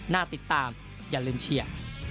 น่าติดตามอย่าลืมเชียร์